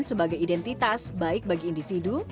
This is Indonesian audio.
sebagai identitas baik bagi individu